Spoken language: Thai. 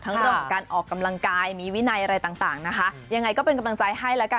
ผัพตัดต้องวางแผนอะไรยังไงบ้างค่ะ